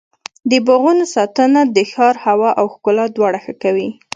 د باغونو ساتنه د ښار هوا او ښکلا دواړه ښه کوي.